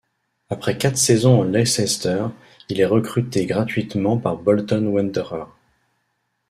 Après quatre saisons à Leicester, il est recruté gratuitement par Bolton Wanderers.